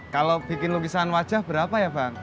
kalau bikin lukisan wajah berapa ya bang